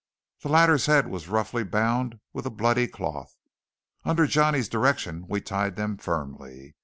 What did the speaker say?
The latter's head was roughly bound with a bloody cloth. Under Johnny's direction we tied them firmly.